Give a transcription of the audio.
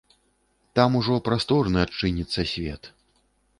Там ужо прасторны адчыніцца свет.